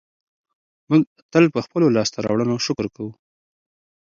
موږ تل په خپلو لاسته راوړنو شکر کوو.